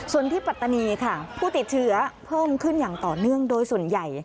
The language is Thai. ส่วนที่ปัตตานีค่ะผู้ติดเชื้อเพิ่มขึ้นอย่างต่อเนื่องโดยส่วนใหญ่